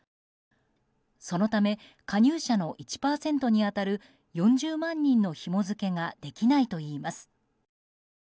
そのため、加入者の１％に当たる４０万人のひも付けができないといいます。